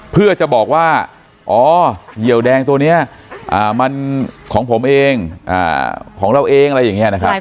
เพื่อจะบอกว่าอ๋อเหยียวแดงตัวนี้มันของผมเองของเราเองอะไรอย่างนี้นะครับ